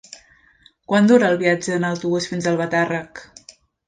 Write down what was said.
Quant dura el viatge en autobús fins a Albatàrrec?